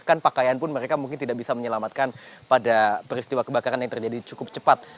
bahkan pakaian pun mereka mungkin tidak bisa menyelamatkan pada peristiwa kebakaran yang terjadi cukup cepat